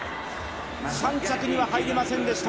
３着には入れませんでした。